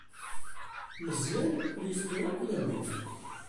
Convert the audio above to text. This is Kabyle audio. Meẓẓyan ur yefki ara akk laman.